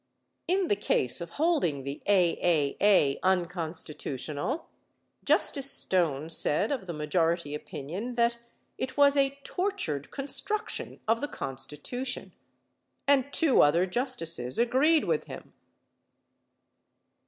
In the case of holding the A.A.A. unconstitutional, Justice Stone said of the majority opinion that it was a "tortured construction of the Constitution." And two other justices agreed with him.